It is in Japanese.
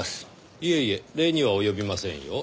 いえいえ礼には及びませんよ。